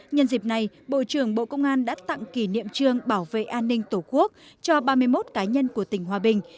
nhân dịp này bộ trưởng bộ công an đã tặng kỷ niệm trương bảo vệ an ninh tổ quốc cho ba mươi một cá nhân của tỉnh hòa bình